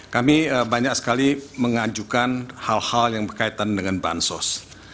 kami banyak sekali mengajukan hal hal yang berkaitan dengan bansos